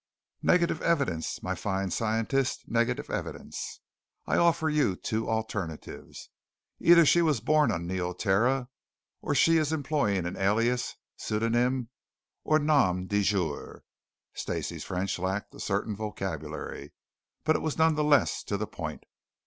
"Negative evidence, my fine scientist. Negative evidence. I offer you two alternatives. Either she was born on Neoterra, or she is employing an alias, pseudonym, or nom de jour." Stacey's French lacked a certain vocabulary, but it was none the less to the point.